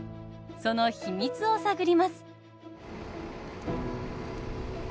その秘密を探ります！